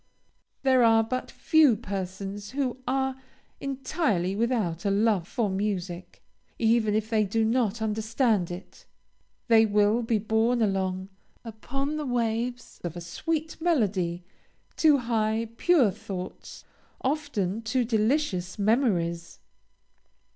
There are but few persons who are entirely without a love for music, even if they do not understand it. They will be borne along upon the waves of a sweet melody to high, pure thoughts, often to delicious memories.